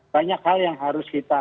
banyak hal yang harus kita